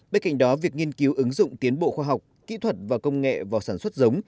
bên cạnh đó việc nghiên cứu ứng dụng tiến bộ khoa học kỹ thuật và công nghệ vào sản xuất giống